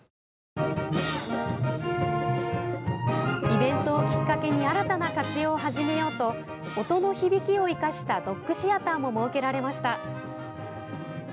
イベントをきっかけに新たな活用を始めようと音の響きを生かしたドックシアターも設けられました。